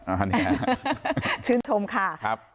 อันนี้ชื่นชมค่ะครับ